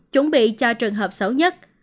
chuẩn bị cho trường hợp xấu nhất